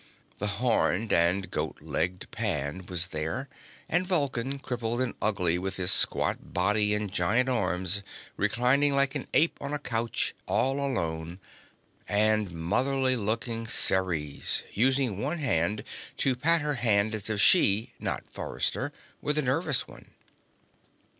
The horned and goat legged Pan was there, and Vulcan, crippled and ugly with his squat body and giant arms, reclining like an ape on a couch all alone, and motherly looking Ceres using one hand to pat her hair as if she, not Forrester, were the nervous one.